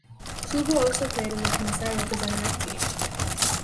Kubo also played in the Kansai representative team.